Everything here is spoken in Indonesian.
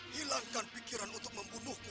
hilangkan pikiran untuk membunuhku